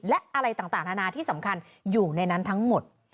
และอะไรต่างนานาที่สำคัญอยู่ในนั้นทั้งหมด